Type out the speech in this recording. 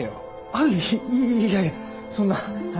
あっいやいやそんなはい。